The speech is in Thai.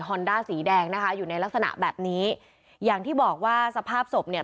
อนด้าสีแดงนะคะอยู่ในลักษณะแบบนี้อย่างที่บอกว่าสภาพศพเนี่ย